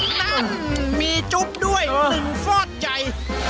นั่นมีจุ๊บด้วยหนึ่งฟอดใจ